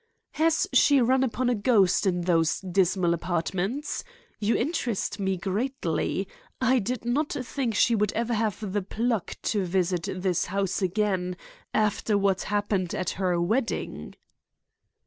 "Has she run upon a ghost in those dismal apartments? You interest me greatly. I did not think she would ever have the pluck to visit this house again after what happened at her wedding."